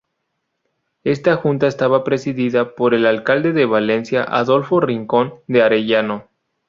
Esta junta estaba presidida por el alcalde de Valencia Adolfo Rincón de Arellano.